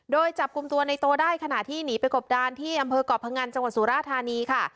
โดยจับกลุ่มตัวในโตได้ขณะที่หนีไปกบดานที่อำเภอกเกาะพงันจังหวัดสุราธานีค่ะ